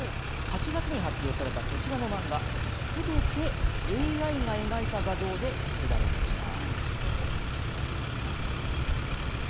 ８月に発表されたこちらの漫画、すべてＡＩが描いた画像で作られました。